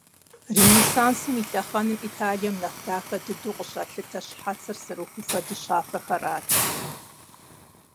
Ренессансым и лъэхъэнэм Италием нэхъ дахэ дыдэу къыщалъытэ щхьэцыр сырыхуфэ-дыщафэхэрат.